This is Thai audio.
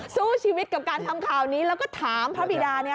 สู้ชีวิตกับการทำข่าวนี้แล้วก็ถามพระบิดาเนี่ย